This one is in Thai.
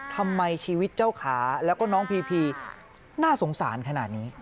ทำไมชีวิตเจ้าขาแล้วก็น้องพีพีน่าสงสารขนาดนี้